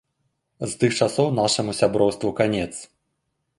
З тых часоў нашаму сяброўству канец.